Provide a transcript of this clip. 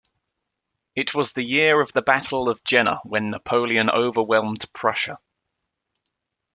It was the year of the battle at Jena when Napoleon overwhelmed Prussia.